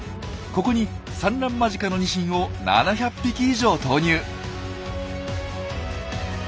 ここに産卵間近のニシンを７００匹以上投入。